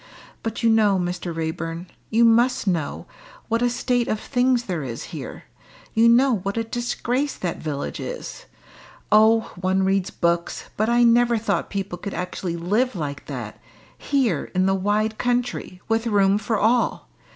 "But you know, Mr. Raeburn you must know what a state of things there is here you know what a disgrace that village is. Oh! one reads books, but I never thought people could actually live like that here in the wide country, with room for all.